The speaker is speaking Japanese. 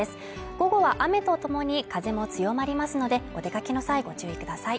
午後は雨とともに風も強まりますので、お出かけの際ご注意ください。